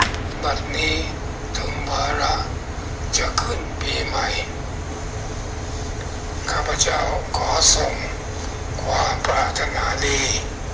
บัดนี้ถึงภาระจะขึ้นปีใหม่ข้าพระเจ้าขอส่งความปราธนาลี